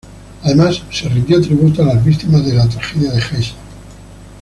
Además se rindió tributo a las víctimas de la Tragedia de Heysel.